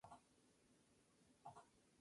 La huelga general paralizó el país.